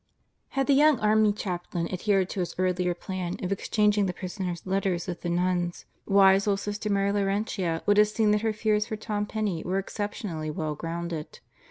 Had the young Army Chaplain adhered to his earlier plan of exchanging the prisoner's letters with the nuns, wise old Sister Mary Laurentia would have seen that her fears for Tom Penney were exceptionally well grounded.